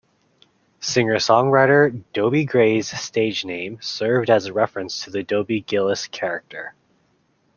Singer-songwriter Dobie Gray's stage name served as a reference to the Dobie Gillis character.